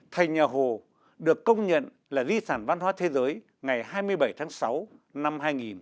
thành nhà hồ được công nhận là di sản văn hóa thế giới ngày hai mươi bảy tháng sáu năm hai nghìn một mươi